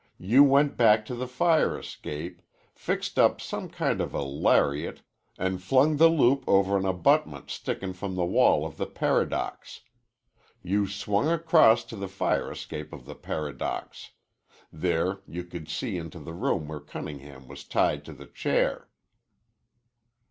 You went back to the fire escape, fixed up some kind of a lariat, an' flung the loop over an abutment stickin' from the wall of the Paradox. You swung across to the fire escape of the Paradox. There you could see into the room where Cunningham was tied to the chair."